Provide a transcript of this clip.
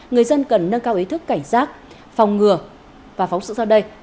người dân cần nâng cao ý thức cảnh giác phòng ngừa và phóng sự sau đây